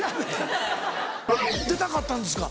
出たかったんですか？